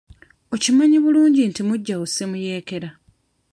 Okimanyi bulungi nti muggyawo si muyeekera?